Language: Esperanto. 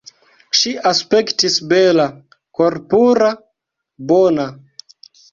Ŝi aspektis bela, korpura, bona.